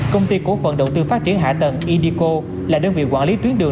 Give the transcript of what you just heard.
công ty cổ phận đầu tư phát triển hạ tầng indico là đơn vị quản lý tuyến đường